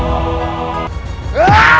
untuk menjaga dewa batara